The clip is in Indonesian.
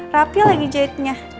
rapi lagi jahitnya